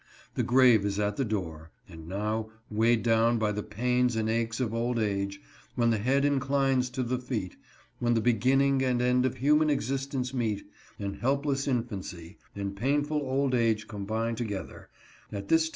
The grave is at the door ; and now, weighed down by the pains and aches of old age, when the head inclines to the feet, when the beginning and ending of human existence meet, and help less infancy, and painful old age combine together, at this ANOTHER SHOCK.